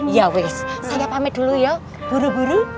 ya wis saya pamit dulu ya buru buru